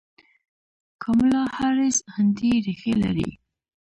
کاملا هاریس هندي ریښې لري.